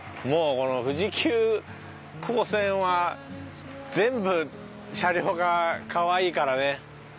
もうこの富士急行線は全部車両がかわいいからね。